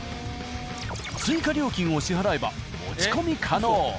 追加料金を支払えば持ち込み可能。